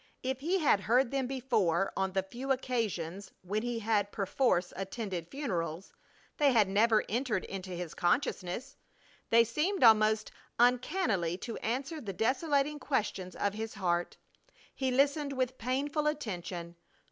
If he had heard them before on the few occasions when he had perforce attended funerals, they had never entered into his consciousness. They seemed almost uncannily to answer the desolating questions of his heart. He listened with painful attention.